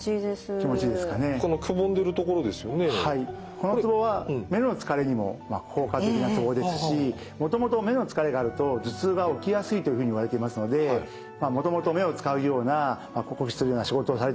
このツボは目のつかれにも効果的なツボですしもともと目のつかれがあると頭痛が起きやすいというふうにいわれていますのでもともと目を使うような酷使するような仕事をされている方